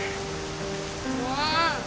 もう！